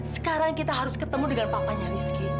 sekarang kita harus ketemu dengan papanya rizky